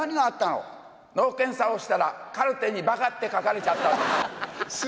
脳検査をしたら、カルテにばかって書かれちゃったんです。